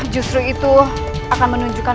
justru itu akan menunjukkan